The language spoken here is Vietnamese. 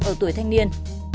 ở tuổi thanh niên